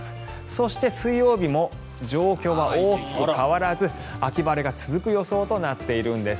そして、水曜日も状況は大きく変わらず秋晴れが続く予想となっているんです。